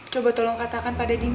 coba tolong katakan pada dini